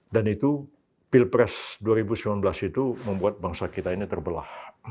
dan itu pilpres dua ribu sembilan belas itu membuat bangsa kita ini terbelah